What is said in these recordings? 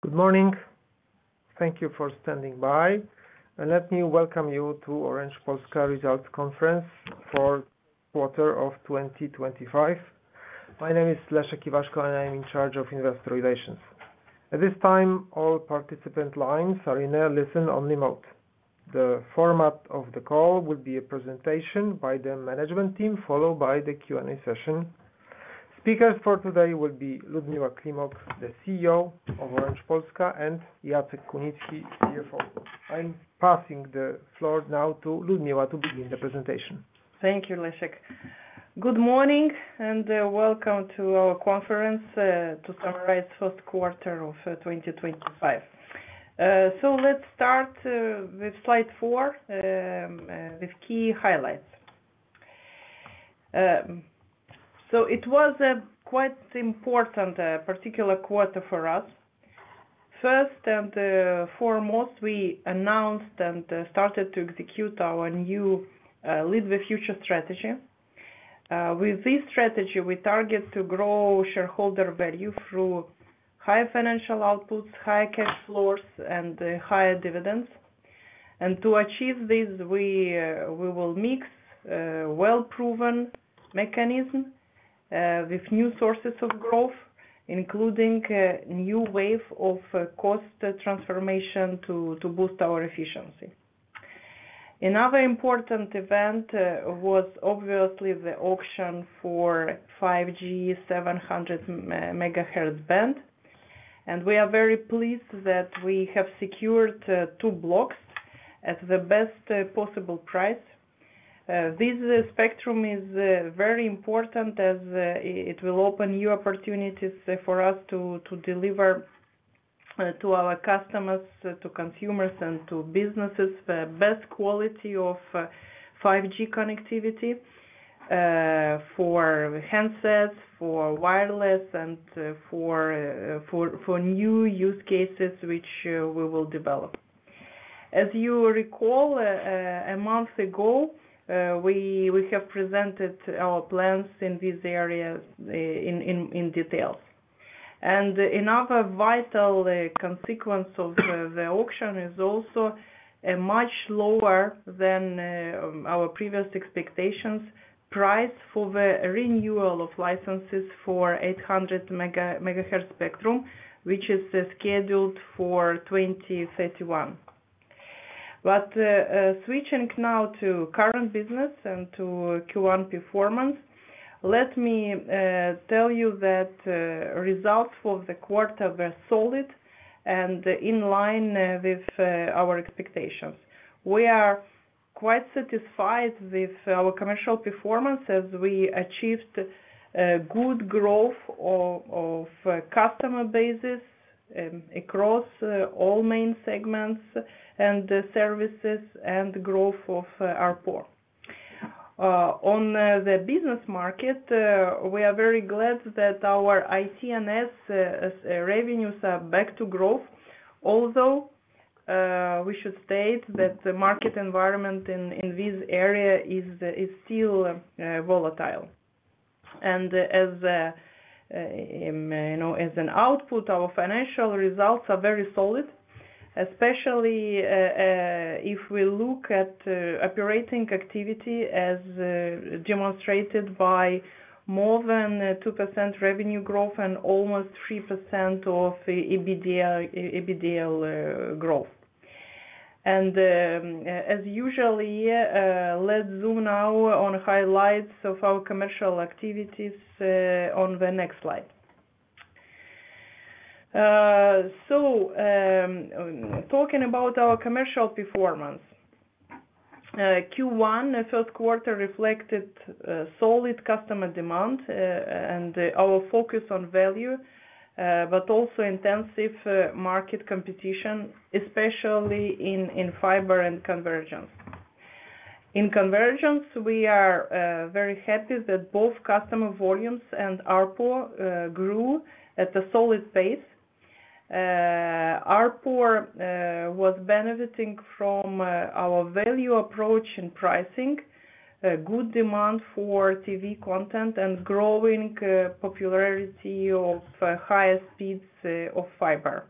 Good morning. Thank you for standing by. Let me welcome you to Orange Polska Results Conference for the first quarter of 2025. My name is Leszek Iwaszko, and I'm in charge of investor relations. At this time, all participant lines are in a listen-only mode. The format of the call will be a presentation by the management team, followed by the Q&A session. Speakers for today will be Liudmila Climoc, the CEO of Orange Polska, and Jacek Kunicki, CFO. I'm passing the floor now to Liudmila to begin the presentation. Thank you, Leszek. Good morning and welcome to our conference to summarize the first quarter of 2025. Let's start with slide four, with key highlights. It was a quite important, particular quarter for us. First and foremost, we announced and started to execute our new Lead the Future strategy. With this strategy, we target to grow shareholder value through higher financial outputs, higher cash flows, and higher dividends. To achieve this, we will mix a well-proven mechanism with new sources of growth, including a new wave of cost transformation to boost our efficiency. Another important event was, obviously, the auction for the 5G 700 MHz band. We are very pleased that we have secured two blocks at the best possible price. This spectrum is very important as it will open new opportunities for us to deliver to our customers, to consumers, and to businesses the best quality of 5G connectivity for handsets, for wireless, and for new use cases which we will develop. As you recall, a month ago, we have presented our plans in this area in detail. Another vital consequence of the auction is also a much lower than our previous expectations price for the renewal of licenses for 800 MHz spectrum, which is scheduled for 2031. Switching now to current business and to Q1 performance, let me tell you that results for the quarter were solid and in line with our expectations. We are quite satisfied with our commercial performance as we achieved good growth of customer bases across all main segments and services and growth of ARPU. On the business market, we are very glad that our IT and IS revenues are back to growth, although we should state that the market environment in this area is still volatile. As an output, our financial results are very solid, especially if we look at operating activity as demonstrated by more than 2% revenue growth and almost 3% of EBITDA growth. As usual, let's zoom now on highlights of our commercial activities on the next slide. Talking about our commercial performance, Q1, the first quarter reflected solid customer demand and our focus on value, but also intensive market competition, especially in fiber and convergence. In convergence, we are very happy that both customer volumes and ARPU grew at a solid pace. ARPU was benefiting from our value approach in pricing, good demand for TV content, and growing popularity of higher speeds of fiber.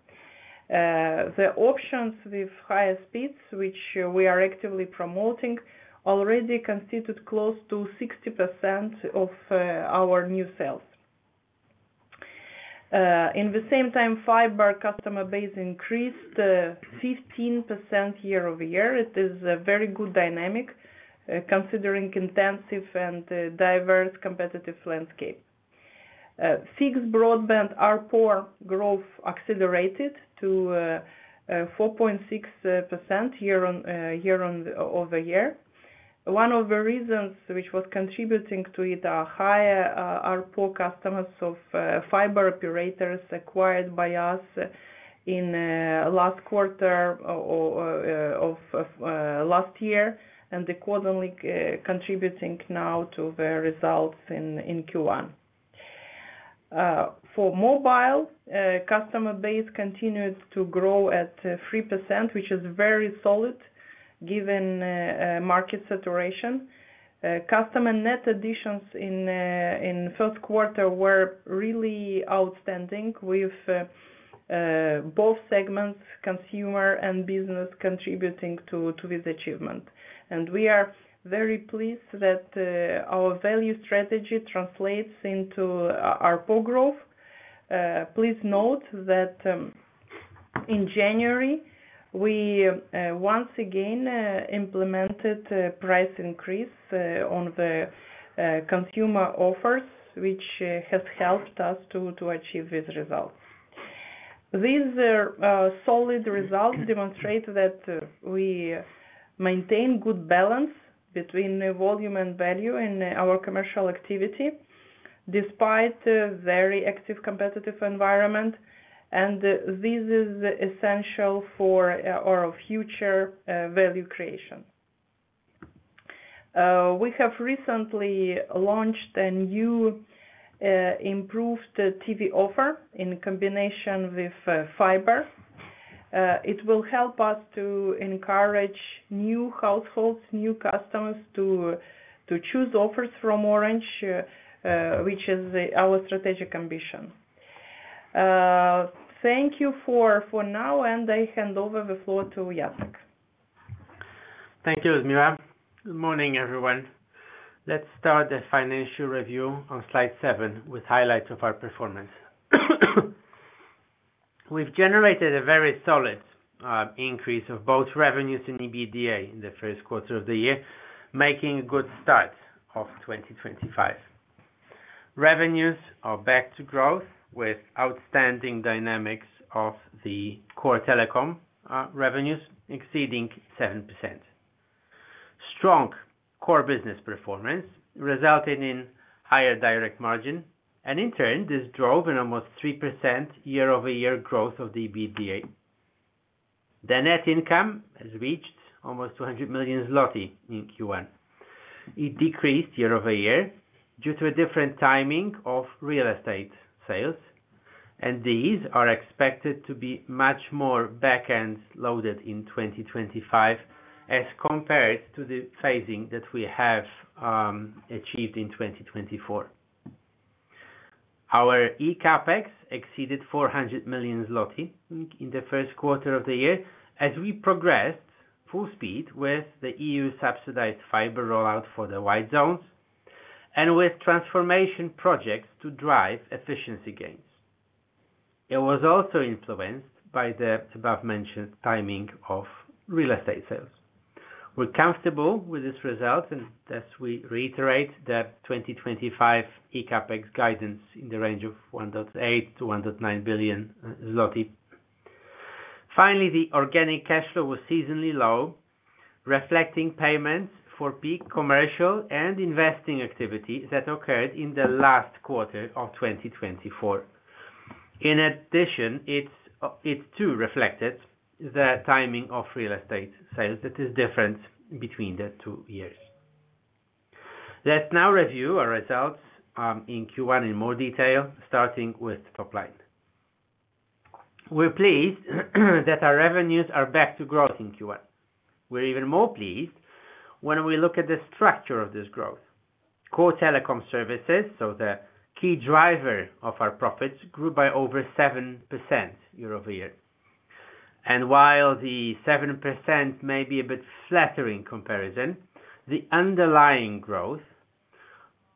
The options with higher speeds, which we are actively promoting, already constituted close to 60% of our new sales. In the same time, fiber customer base increased 15% year over year. It is a very good dynamic considering intensive and diverse competitive landscape. Fixed broadband, our ARPU growth accelerated to 4.6% year over year. One of the reasons which was contributing to it are higher ARPU customers of fiber operators acquired by us in last quarter of last year, and they're constantly contributing now to the results in Q1. For mobile, customer base continued to grow at 3%, which is very solid given market saturation. Customer net additions in first quarter were really outstanding with both segments, consumer and business, contributing to this achievement. We are very pleased that our value strategy translates into ARPU growth. Please note that in January, we once again implemented a price increase on the consumer offers, which has helped us to achieve this result. These solid results demonstrate that we maintain good balance between volume and value in our commercial activity despite a very active competitive environment, and this is essential for our future value creation. We have recently launched a new improved TV offer in combination with fiber. It will help us to encourage new households, new customers to choose offers from Orange, which is our strategic ambition. Thank you for now, and I hand over the floor to Jacek. Thank you, Liudmila. Good morning, everyone. Let's start the financial review on slide seven with highlights of our performance. We've generated a very solid increase of both revenues and EBITDA in the first quarter of the year, making a good start of 2025. Revenues are back to growth with outstanding dynamics of the core telecom revenues exceeding 7%. Strong core business performance resulted in higher direct margin, and in turn, this drove an almost 3% year-over-year growth of the EBITDA. The net income has reached almost 200 million zloty in Q1. It decreased year-over-year due to a different timing of real estate sales, and these are expected to be much more back-end loaded in 2025 as compared to the phasing that we have achieved in 2024. Our E-CAPEX exceeded 400 million zloty in the first quarter of the year as we progressed full speed with the EU-subsidized fiber rollout for the white zones and with transformation projects to drive efficiency gains. It was also influenced by the above-mentioned timing of real estate sales. We're comfortable with this result, and thus we reiterate the 2025 E-CAPEX guidance in the range of 1.8 billion-1.9 billion zloty. Finally, the organic cash flow was seasonally low, reflecting payments for peak commercial and investing activity that occurred in the last quarter of 2024. In addition, it too reflected the timing of real estate sales that is different between the two years. Let's now review our results in Q1 in more detail, starting with top line. We're pleased that our revenues are back to growth in Q1. We're even more pleased when we look at the structure of this growth. Core telecom services, so the key driver of our profits, grew by over 7% year over year. While the 7% may be a bit flattering comparison, the underlying growth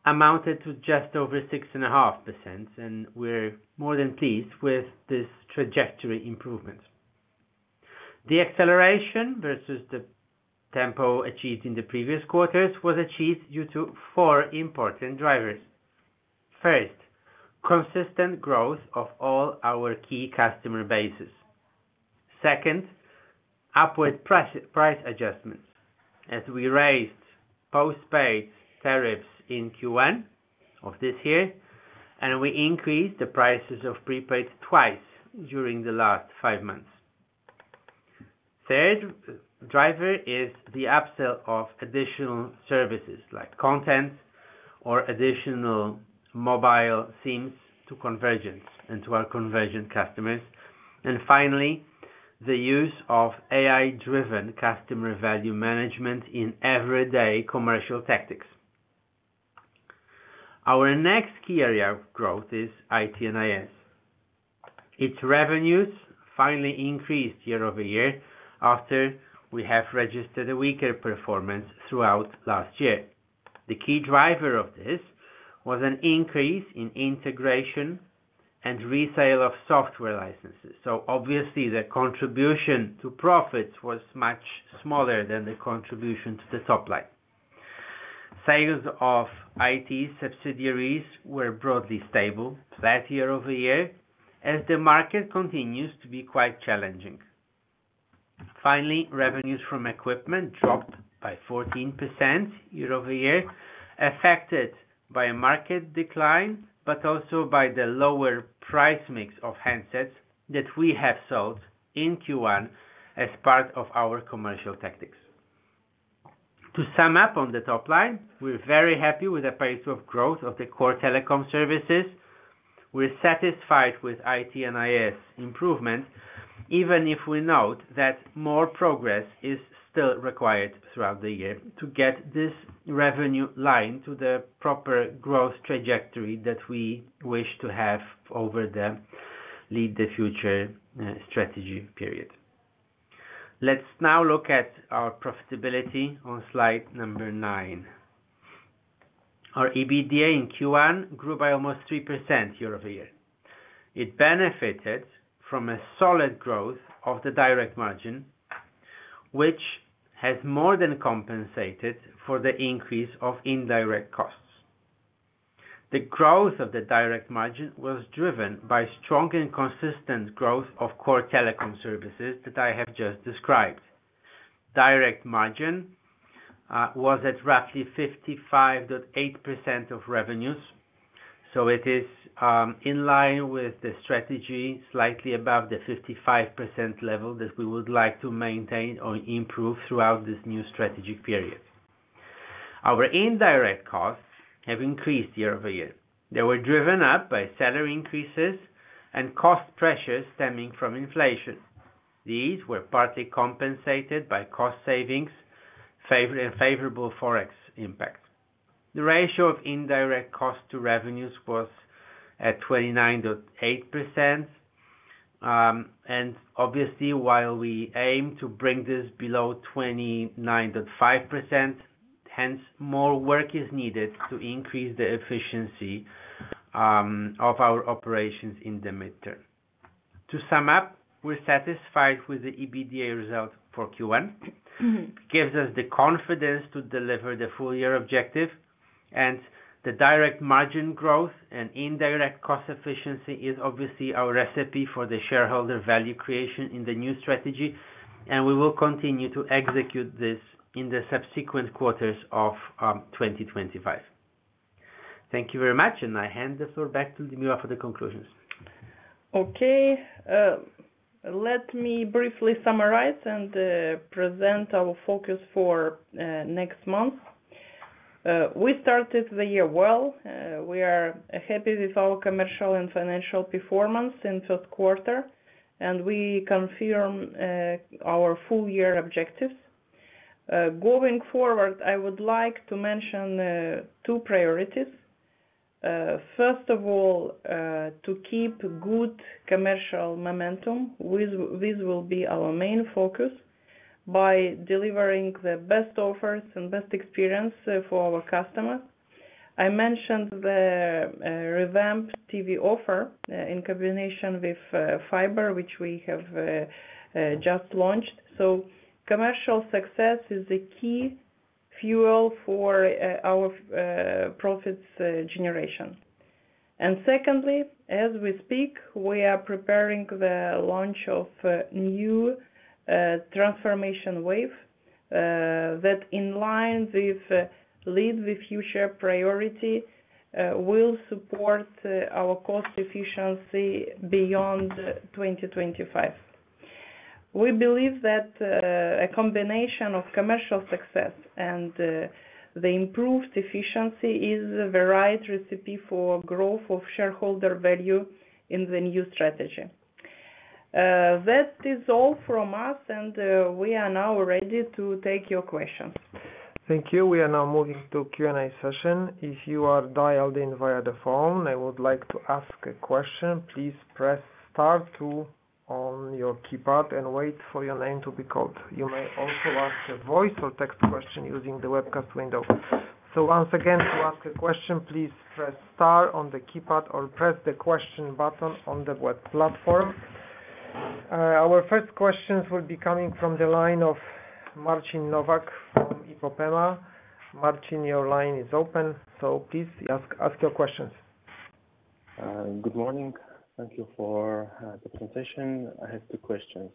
amounted to just over 6.5%, and we're more than pleased with this trajectory improvement. The acceleration versus the tempo achieved in the previous quarters was achieved due to four important drivers. First, consistent growth of all our key customer bases. Second, upward price adjustments. As we raised postpaid tariffs in Q1 of this year, and we increased the prices of prepay twice during the last five months. Third driver is the upsell of additional services like content or additional mobile SIMs to convergence and to our convergent customers. Finally, the use of AI-driven customer value management in everyday commercial tactics. Our next key area of growth is IT and IS. Its revenues finally increased year over year after we have registered a weaker performance throughout last year. The key driver of this was an increase in integration and resale of software licenses. Obviously, the contribution to profits was much smaller than the contribution to the top line. Sales of IT subsidiaries were broadly stable, flat year over year, as the market continues to be quite challenging. Finally, revenues from equipment dropped by 14% year over year, affected by a market decline, but also by the lower price mix of handsets that we have sold in Q1 as part of our commercial tactics. To sum up on the top line, we're very happy with the pace of growth of the core telecom services. We're satisfied with IT and IS improvement, even if we note that more progress is still required throughout the year to get this revenue line to the proper growth trajectory that we wish to have over the Lead the Future strategy period. Let's now look at our profitability on slide number nine. Our EBITDA in Q1 grew by almost 3% year over year. It benefited from a solid growth of the direct margin, which has more than compensated for the increase of indirect costs. The growth of the direct margin was driven by strong and consistent growth of core telecom services that I have just described. Direct margin was at roughly 55.8% of revenues, so it is in line with the strategy, slightly above the 55% level that we would like to maintain or improve throughout this new strategic period. Our indirect costs have increased year over year. They were driven up by salary increases and cost pressures stemming from inflation. These were partly compensated by cost savings and favorable forex impact. The ratio of indirect cost to revenues was at 29.8%. Obviously, while we aim to bring this below 29.5%, more work is needed to increase the efficiency of our operations in the midterm. To sum up, we're satisfied with the EBITDA result for Q1. It gives us the confidence to deliver the full-year objective, and the direct margin growth and indirect cost efficiency is obviously our recipe for the shareholder value creation in the new strategy, and we will continue to execute this in the subsequent quarters of 2025. Thank you very much, and I hand the floor back to Liudmila for the conclusions. Okay. Let me briefly summarize and present our focus for next month. We started the year well. We are happy with our commercial and financial performance in the first quarter, and we confirm our full-year objectives. Going forward, I would like to mention two priorities. First of all, to keep good commercial momentum. This will be our main focus by delivering the best offers and best experience for our customers. I mentioned the revamped TV offer in combination with fiber, which we have just launched. Commercial success is a key fuel for our profits generation. Secondly, as we speak, we are preparing the launch of a new transformation wave that, in line with Lead the Future priority, will support our cost efficiency beyond 2025. We believe that a combination of commercial success and the improved efficiency is a varied recipe for growth of shareholder value in the new strategy. That is all from us, and we are now ready to take your questions. Thank you. We are now moving to Q&A session. If you are dialed in via the phone, I would like to ask a question. Please press star two on your keypad and wait for your name to be called. You may also ask a voice or text question using the webcast window. Once again, to ask a question, please press star on the keypad or press the question button on the web platform. Our first questions will be coming from the line of Marcin Nowak from IPOPEMA. Marcin, your line is open, so please ask your questions. Good morning. Thank you for the presentation. I have two questions.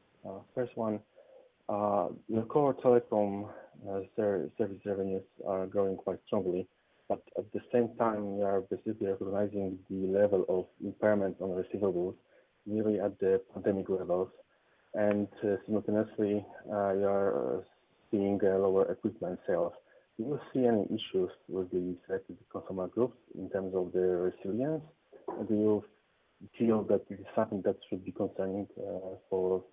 First one, the core telecom service revenues are growing quite strongly, but at the same time, we are basically recognizing the level of impairment on receivables nearly at the pandemic levels. Simultaneously, we are seeing lower equipment sales. Do you see any issues with the consumer groups in terms of their resilience? Do you feel that this is something that should be concerning for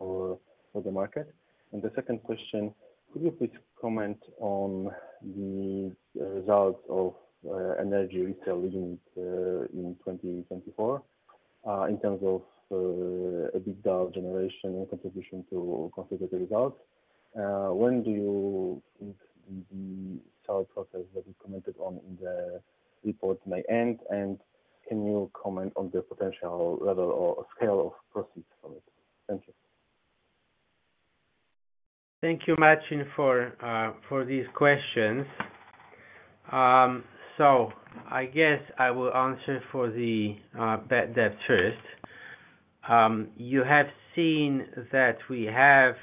the market? The second question, could you please comment on the result of energy resale in 2024 in terms of EBITDA generation and contribution to consumer results? When do you think the sales process that you commented on in the report may end? Can you comment on the potential level or scale of profits from it? Thank you. Thank you, Marcin, for these questions. I guess I will answer for the bad debt first. You have seen that we have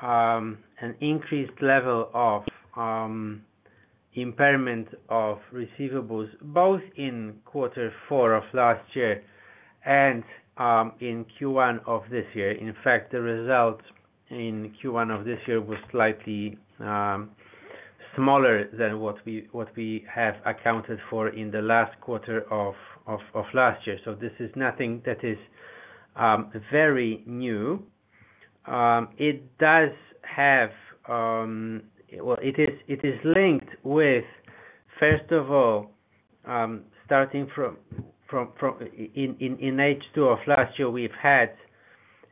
an increased level of impairment of receivables both in quarter four of last year and in Q1 of this year. In fact, the result in Q1 of this year was slightly smaller than what we have accounted for in the last quarter of last year. This is nothing that is very new. It is linked with, first of all, starting from in H2 of last year, we've had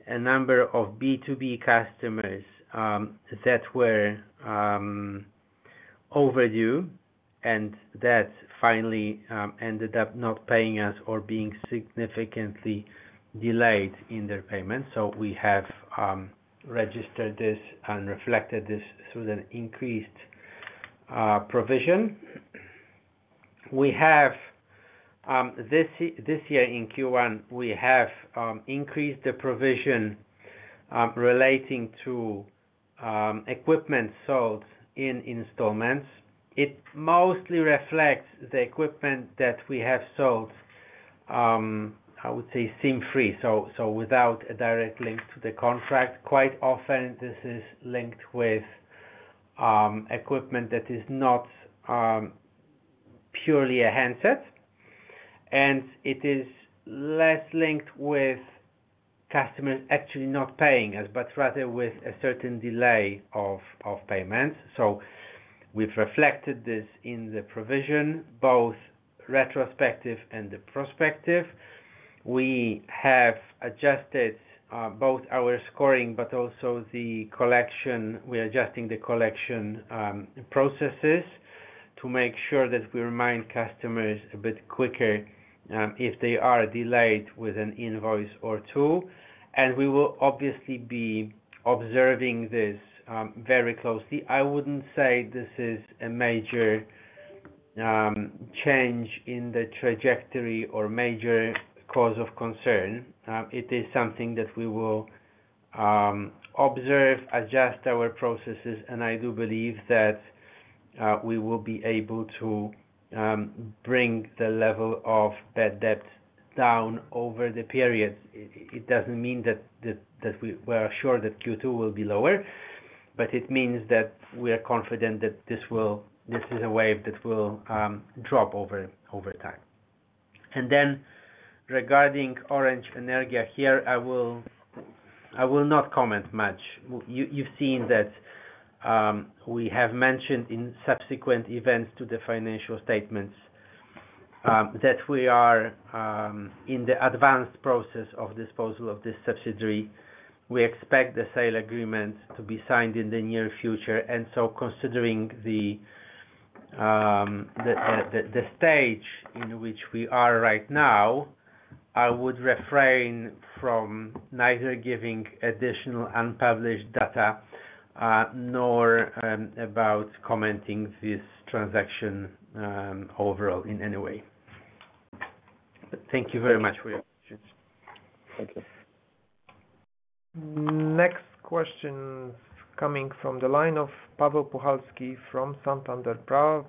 a number of B2B customers that were overdue, and that finally ended up not paying us or being significantly delayed in their payments. We have registered this and reflected this through an increased provision. This year, in Q1, we have increased the provision relating to equipment sold in installments. It mostly reflects the equipment that we have sold, I would say, SIM-free, so without a direct link to the contract. Quite often, this is linked with equipment that is not purely a handset, and it is less linked with customers actually not paying us, but rather with a certain delay of payments. We have reflected this in the provision, both retrospective and the prospective. We have adjusted both our scoring, but also the collection. We are adjusting the collection processes to make sure that we remind customers a bit quicker if they are delayed with an invoice or two. We will obviously be observing this very closely. I would not say this is a major change in the trajectory or major cause of concern. It is something that we will observe, adjust our processes, and I do believe that we will be able to bring the level of bad debt down over the period. It does not mean that we are sure that Q2 will be lower, but it means that we are confident that this is a wave that will drop over time. Regarding Orange Energia here, I will not comment much. You have seen that we have mentioned in subsequent events to the financial statements that we are in the advanced process of disposal of this subsidiary. We expect the sale agreement to be signed in the near future. Considering the stage in which we are right now, I would refrain from either giving additional unpublished data or commenting on this transaction overall in any way. Thank you very much for your questions. Thank you. Next question coming from the line of Paweł Puchalski from Santander.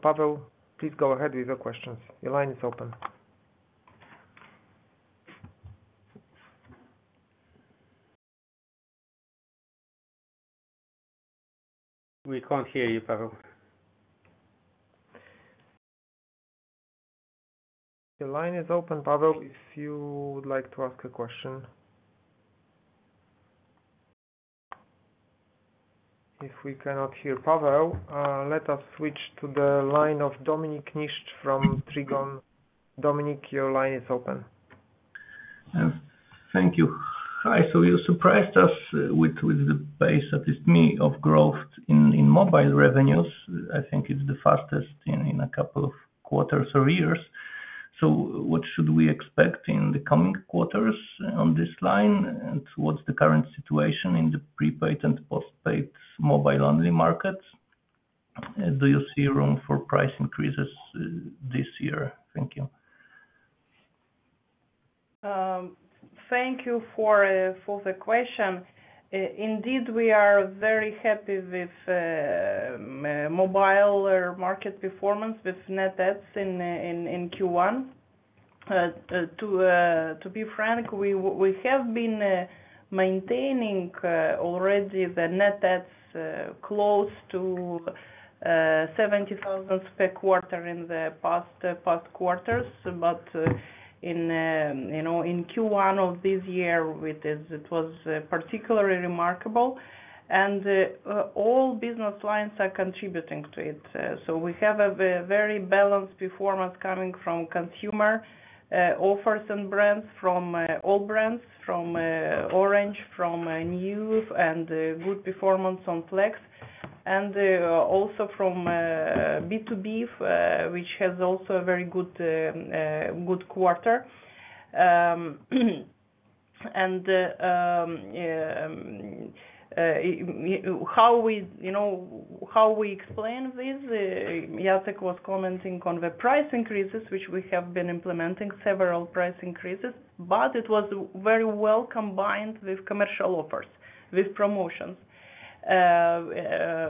Paweł, please go ahead with your questions. Your line is open. We can't hear you, Paweł. The line is open, Paweł, if you would like to ask a question. If we cannot hear Paweł, let us switch to the line of Dominik Niszcz from Trigon. Dominik, your line is open. Thank you. Hi. You surprised us with the pace, at least me, of growth in mobile revenues. I think it is the fastest in a couple of quarters or years. What should we expect in the coming quarters on this line? What is the current situation in the prepaid and postpaid mobile-only markets? Do you see room for price increases this year? Thank you. Thank you for the question. Indeed, we are very happy with mobile market performance with net debts in Q1. To be frank, we have been maintaining already the net debts close to 70,000 per quarter in the past quarters, but in Q1 of this year, it was particularly remarkable. All business lines are contributing to it. We have a very balanced performance coming from consumer offers and brands, from all brands, from Orange, from new and good performance on Flex, and also from B2B, which has also a very good quarter. How we explain this, Jacek was commenting on the price increases, which we have been implementing several price increases, but it was very well combined with commercial offers, with promotions,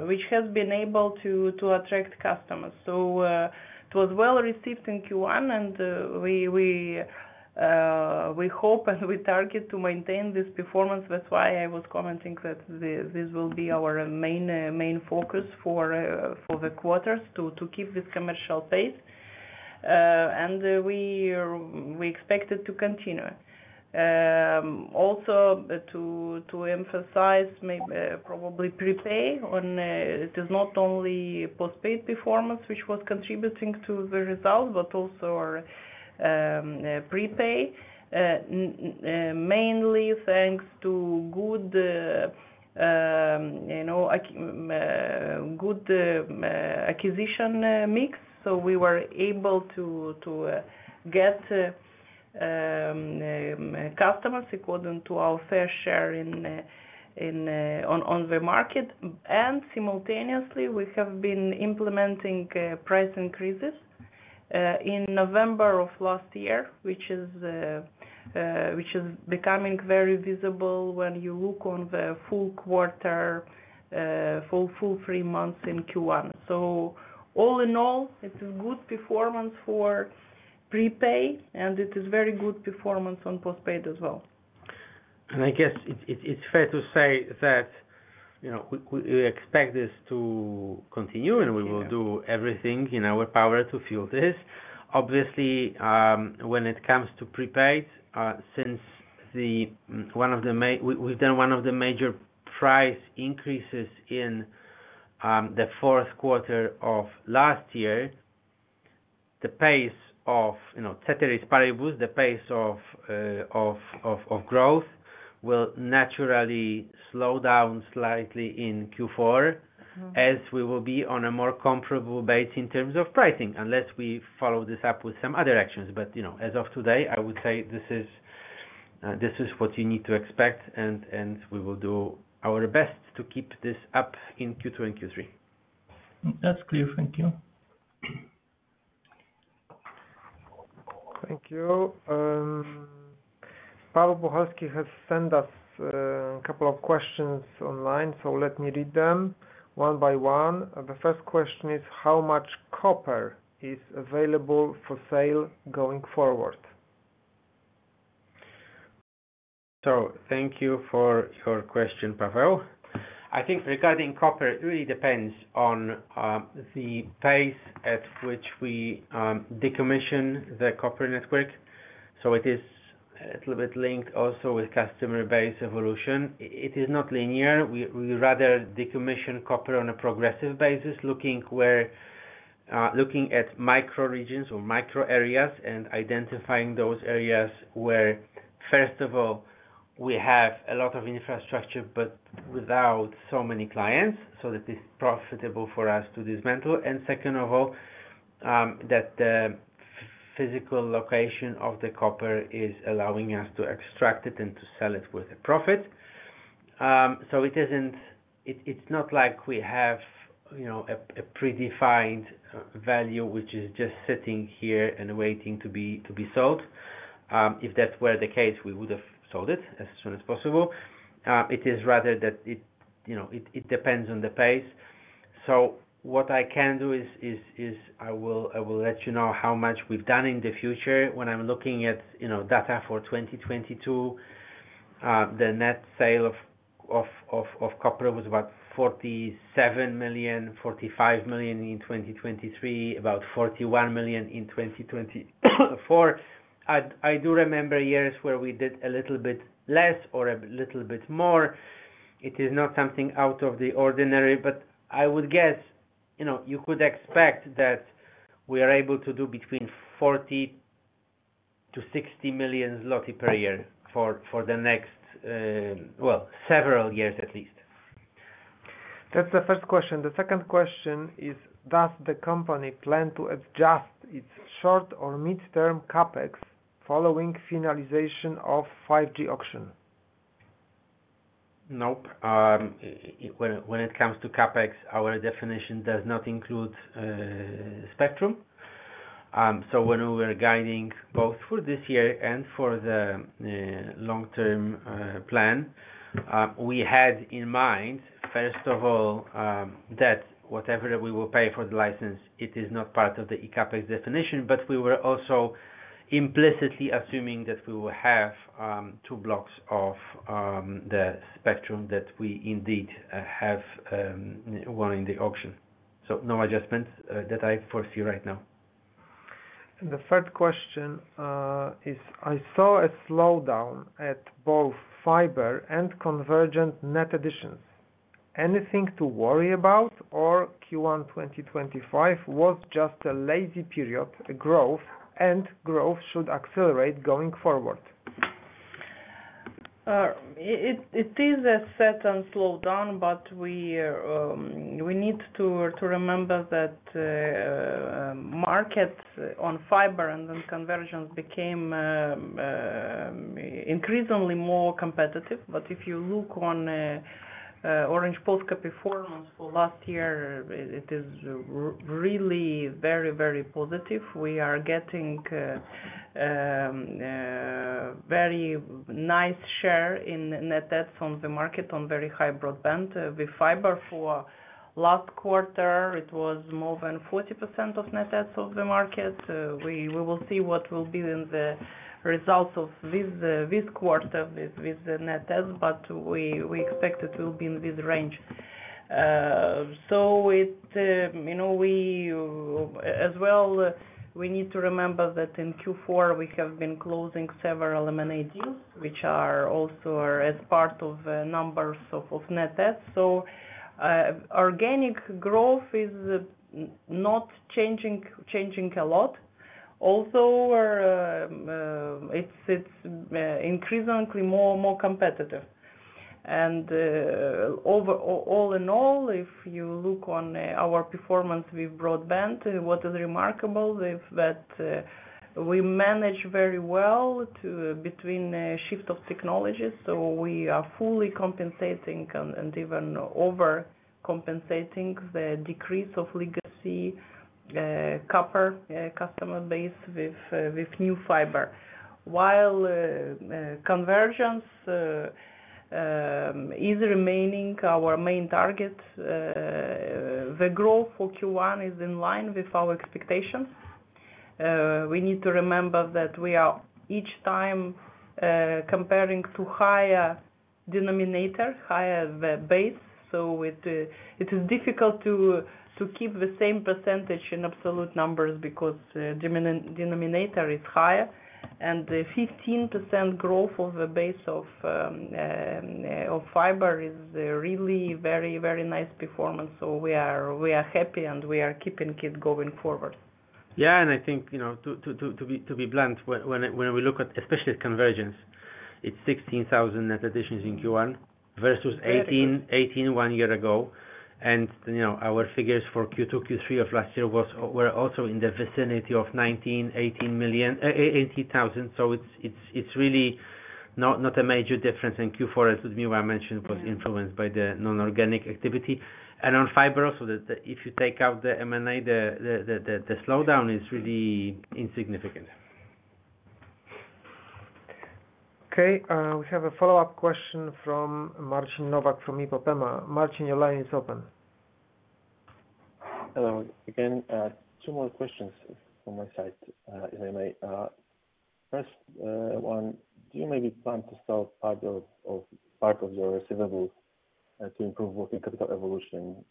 which has been able to attract customers. It was well received in Q1, and we hope and we target to maintain this performance. That's why I was commenting that this will be our main focus for the quarters to keep this commercial pace. We expect it to continue. Also, to emphasize probably prepay, it is not only postpaid performance, which was contributing to the result, but also prepay, mainly thanks to good acquisition mix. We were able to get customers according to our fair share on the market. Simultaneously, we have been implementing price increases in November of last year, which is becoming very visible when you look on the full quarter, full three months in Q1. All in all, it is good performance for prepay, and it is very good performance on postpaid as well. I guess it's fair to say that we expect this to continue, and we will do everything in our power to fuel this. Obviously, when it comes to prepay, since we have done one of the major price increases in the fourth quarter of last year, the pace of ceteris paribus, the pace of growth will naturally slow down slightly in Q4 as we will be on a more comparable base in terms of pricing, unless we follow this up with some other actions. As of today, I would say this is what you need to expect, and we will do our best to keep this up in Q2 and Q3. That's clear. Thank you. Thank you. Paweł Puchalski has sent us a couple of questions online, so let me read them one by one. The first question is, how much copper is available for sale going forward? Thank you for your question, Paweł. I think regarding copper, it really depends on the pace at which we decommission the copper network. It is a little bit linked also with customer base evolution. It is not linear. We rather decommission copper on a progressive basis, looking at micro regions or micro areas and identifying those areas where, first of all, we have a lot of infrastructure but without so many clients so that it is profitable for us to dismantle. Second of all, the physical location of the copper is allowing us to extract it and to sell it with a profit. It is not like we have a predefined value, which is just sitting here and waiting to be sold. If that were the case, we would have sold it as soon as possible. It is rather that it depends on the pace. What I can do is I will let you know how much we've done in the future. When I'm looking at data for 2022, the net sale of copper was about 47 million, 45 million in 2023, about 41 million in 2024. I do remember years where we did a little bit less or a little bit more. It is not something out of the ordinary, but I would guess you could expect that we are able to do between 40 million-60 million zloty per year for the next, several years at least. That's the first question. The second question is, does the company plan to adjust its short or mid-term CapEx following finalization of 5G auction? Nope. When it comes to capex, our definition does not include spectrum. When we were guiding both for this year and for the long-term plan, we had in mind, first of all, that whatever we will pay for the license, it is not part of the e-capex definition, but we were also implicitly assuming that we will have two blocks of the spectrum that we indeed have won in the auction. No adjustments that I foresee right now. The third question is, I saw a slowdown at both fiber and convergent net additions. Anything to worry about, or Q1 2025 was just a lazy period of growth, and growth should accelerate going forward? It is a certain slowdown, but we need to remember that markets on fiber and on convergence became increasingly more competitive. If you look on Orange Polska performance for last year, it is really very, very positive. We are getting a very nice share in net debts on the market on very high broadband. With fiber for last quarter, it was more than 40% of net debts of the market. We will see what will be in the results of this quarter with the net debts, but we expect it will be in this range. As well, we need to remember that in Q4, we have been closing several M&A deals, which are also as part of numbers of net debts. Organic growth is not changing a lot, although it's increasingly more competitive. All in all, if you look on our performance with broadband, what is remarkable is that we manage very well between shift of technology. We are fully compensating and even overcompensating the decrease of legacy copper customer base with new fiber. While convergence is remaining our main target, the growth for Q1 is in line with our expectations. We need to remember that we are each time comparing to higher denominator, higher the base. It is difficult to keep the same percentage in absolute numbers because denominator is higher. The 15% growth of the base of fiber is really very, very nice performance. We are happy and we are keeping it going forward. Yeah. I think to be blunt, when we look especially at convergence, it's 16,000 net additions in Q1 versus 18,000 one year ago. Our figures for Q2 and Q3 of last year were also in the vicinity of 19,000. It is really not a major difference. Q4, as Liudmila mentioned, was influenced by the non-organic activity. On fiber, if you take out the M&A, the slowdown is really insignificant. Okay. We have a follow-up question from Marcin Nowak from IPOPEMA. Marcin, your line is open. Hello again. Two more questions from my side, if I may. First one, do you maybe plan to sell part of your receivables to improve working capital evolution?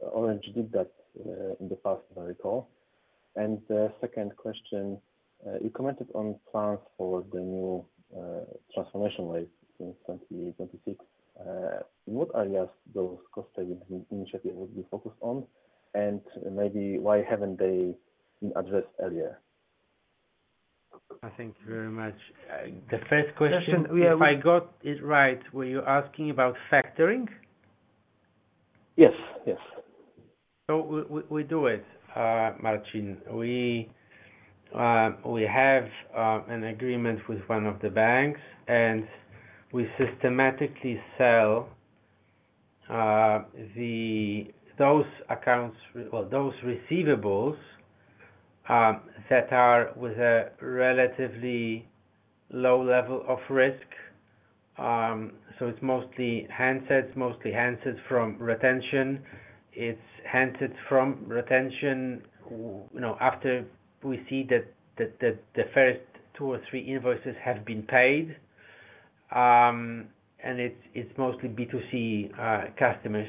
Orange did that in the past, if I recall. Second question, you commented on plans for the new transformation wave in 2026. In what areas would those cost-saving initiatives be focused on? Maybe why have they not been addressed earlier? I think very much. The first question, if I got it right, were you asking about factoring? Yes. Yes. We do it, Marcin. We have an agreement with one of the banks, and we systematically sell those accounts, those receivables that are with a relatively low level of risk. It is mostly handset, mostly handset from retention. It is handset from retention after we see that the first two or three invoices have been paid. It is mostly B2C customers.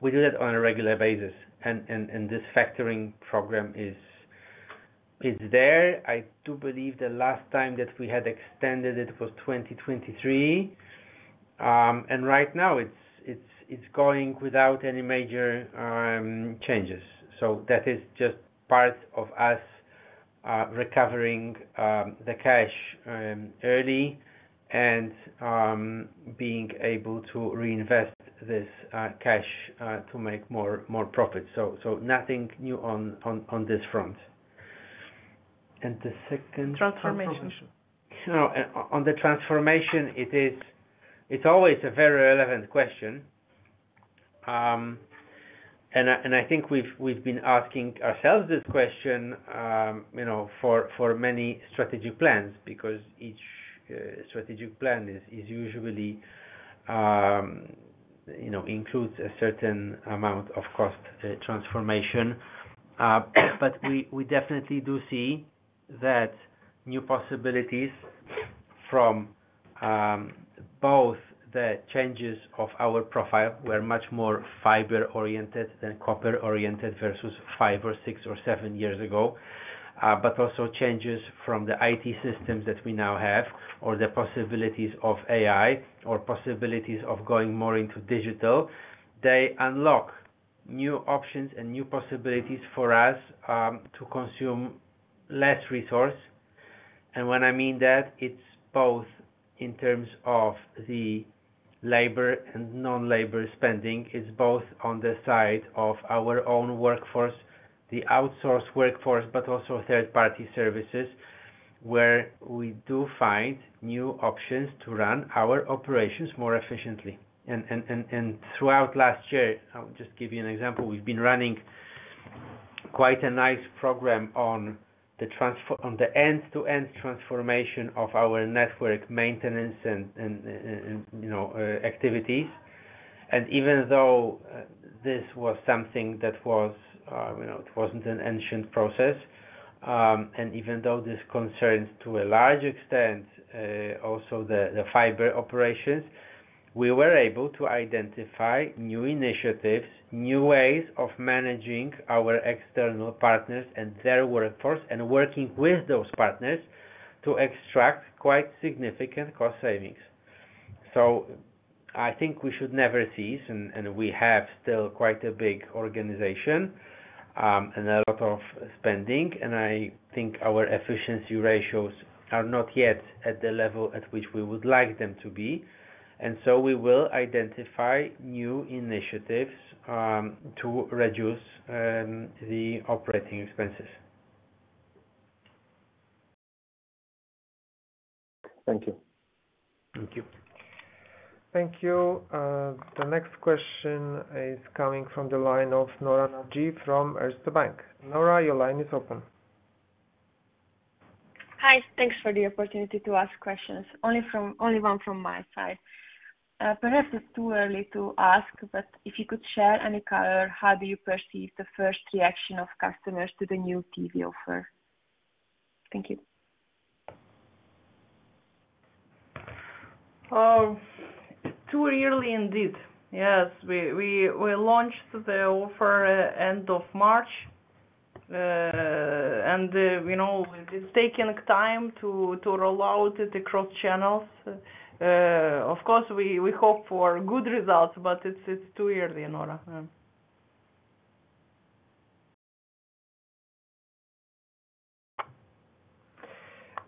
We do that on a regular basis. This factoring program is there. I do believe the last time that we had extended it was 2023. Right now, it is going without any major changes. That is just part of us recovering the cash early and being able to reinvest this cash to make more profits. Nothing new on this front. The second question. Transformation. No, on the transformation, it's always a very relevant question. I think we've been asking ourselves this question for many strategic plans because each strategic plan usually includes a certain amount of cost transformation. We definitely do see that new possibilities from both the changes of our profile were much more fiber-oriented than copper-oriented versus five or six or seven years ago. Also, changes from the IT systems that we now have or the possibilities of AI or possibilities of going more into digital, they unlock new options and new possibilities for us to consume less resource. When I mean that, it's both in terms of the labor and non-labor spending. It's both on the side of our own workforce, the outsourced workforce, but also third-party services where we do find new options to run our operations more efficiently. Throughout last year, I'll just give you an example. We've been running quite a nice program on the end-to-end transformation of our network maintenance and activities. Even though this was something that was, it wasn't an ancient process. Even though this concerns to a large extent also the fiber operations, we were able to identify new initiatives, new ways of managing our external partners and their workforce and working with those partners to extract quite significant cost savings. I think we should never cease, and we have still quite a big organization and a lot of spending. I think our efficiency ratios are not yet at the level at which we would like them to be. We will identify new initiatives to reduce the operating expenses. Thank you. Thank you. Thank you. The next question is coming from the line of Nora Nagy from Erste Bank. Nora, your line is open. Hi. Thanks for the opportunity to ask questions. Only one from my side. Perhaps it's too early to ask, but if you could share, any color, how do you perceive the first reaction of customers to the new TV offer? Thank you. Too early indeed. Yes. We launched the offer end of March, and it's taking time to roll out it across channels. Of course, we hope for good results, but it's too early, Nora.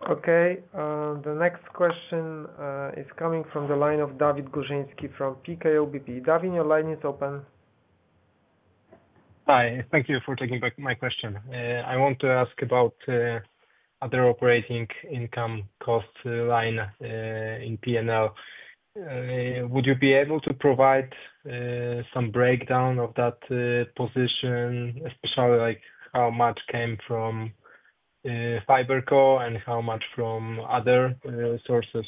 Okay. The next question is coming from the line of Dawid Górzyński from PKO BP. Dawid, your line is open. Hi. Thank you for taking back my question. I want to ask about other operating income cost line in P&L. Would you be able to provide some breakdown of that position, especially how much came from FiberCo and how much from other sources?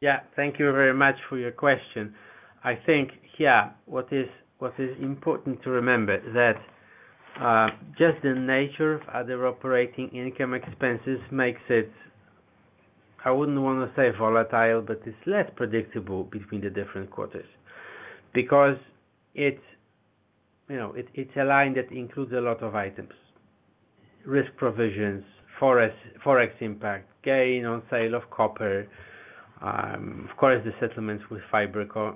Yeah. Thank you very much for your question. I think, yeah, what is important to remember is that just the nature of other operating income expenses makes it, I would not want to say volatile, but it is less predictable between the different quarters because it is a line that includes a lot of items: risk provisions, forex impact, gain on sale of copper, of course, the settlements with FiberCo,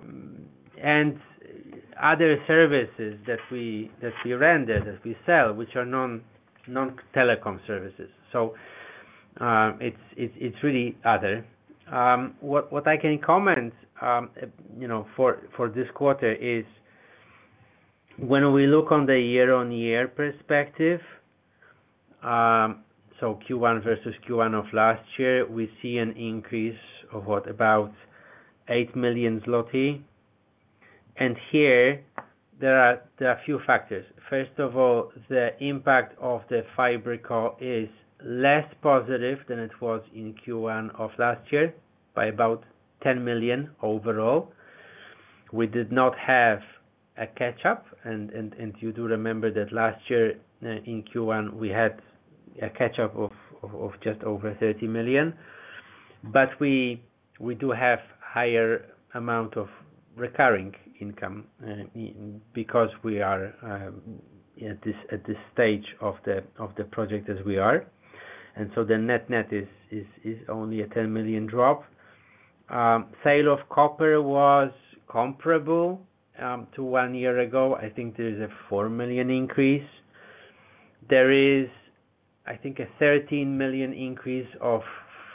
and other services that we render, that we sell, which are non-telecom services. It is really other. What I can comment for this quarter is when we look on the year-on-year perspective, Q1 versus Q1 of last year, we see an increase of what, about 8 million zloty. Here, there are a few factors. First of all, the impact of the FiberCo is less positive than it was in Q1 of last year by about 10 million overall. We did not have a catch-up. You do remember that last year in Q1, we had a catch-up of just over 30 million. We do have a higher amount of recurring income because we are at this stage of the project as we are. The net net is only a 10 million drop. Sale of copper was comparable to one year ago. I think there is a 4 million increase. There is, I think, a 13 million increase of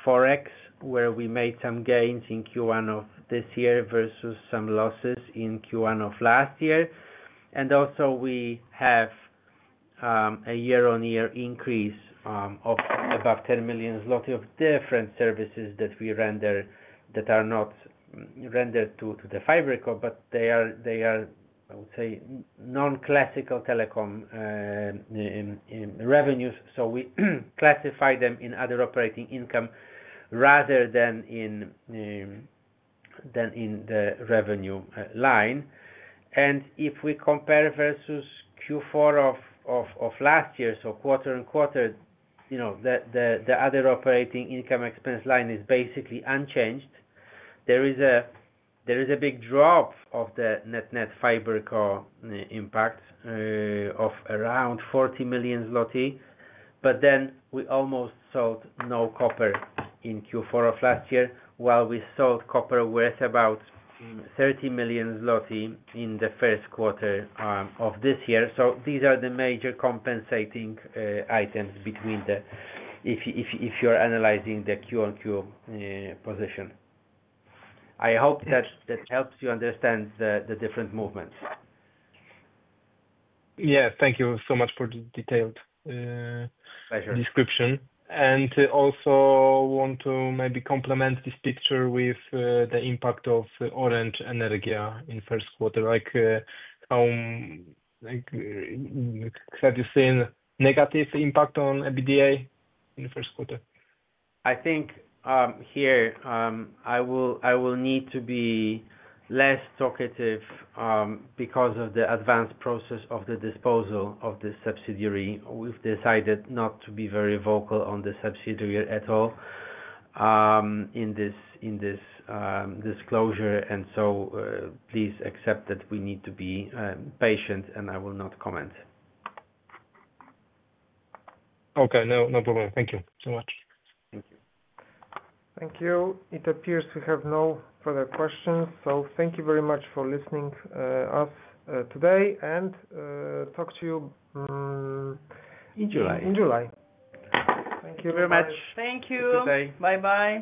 forex where we made some gains in Q1 of this year versus some losses in Q1 of last year. We also have a year-on-year increase of about 10 million zloty of different services that we render that are not rendered to FiberCo, but they are, I would say, non-classical telecom revenues. We classify them in other operating income rather than in the revenue line. If we compare versus Q4 of last year, so quarter on quarter, the other operating income expense line is basically unchanged. There is a big drop of the net net FiberCo impact of around 40 million zloty. We almost sold no copper in Q4 of last year, while we sold copper worth about 30 million zloty in the first quarter of this year. These are the major compensating items if you're analyzing the QoQ position. I hope that helps you understand the different movements. Yeah. Thank you so much for the detailed description. I also want to maybe complement this picture with the impact of Orange Energia in first quarter. Have you seen negative impact on EBITDA in first quarter? I think here I will need to be less talkative because of the advanced process of the disposal of the subsidiary. We've decided not to be very vocal on the subsidiary at all in this disclosure. Please accept that we need to be patient, and I will not comment. Okay. No problem. Thank you so much. Thank you. Thank you. It appears we have no further questions. Thank you very much for listening to us today and talk to you. In July. In July. Thank you very much. Thank you. Good day. Bye-bye.